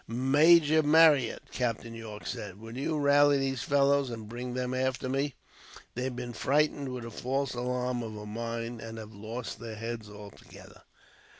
"Major Marryat," Captain Yorke said, "will you rally these fellows, and bring them after me. They've been frightened with a false alarm of a mine, and have lost their heads altogether."